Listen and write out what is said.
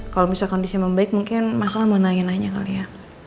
kalau bisa kondisi membaik mungkin mas al mau nanya nanya kali ya